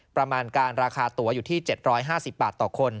ประมาณการราคาตัวอยู่ที่๗๕๐บาทต่อคน